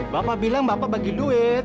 bapak bilang bapak bagi duit